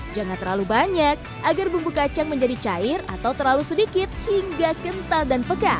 jangan terlalu banyak agar bumbu kacang menjadi cair atau terlalu sedikit hingga kental dan pekat